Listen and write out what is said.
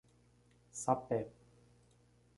Sapé